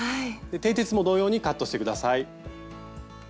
てい鉄も同様にカットして下さい。